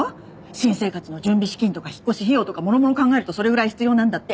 新生活の準備資金とか引っ越し費用とかもろもろ考えるとそれぐらい必要なんだって。